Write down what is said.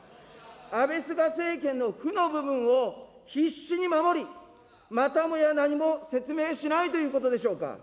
安倍・菅政権の負の部分を必死に守り、またもや何も説明しないということでしょうか。